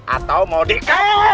atau mau dikawal